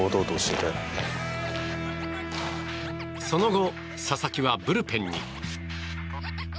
その後、佐々木はブルペンに。